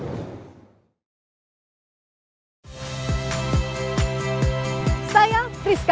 diminta masuk psi juga